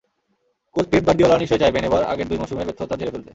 Coach Pep Guardiola নিশ্চয় চাইবেন এবার আগের দুই মৌসুমের ব্যর্থতা ঝেড়ে ফেলতে।